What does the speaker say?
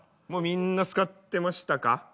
もうみんな使ってましたか？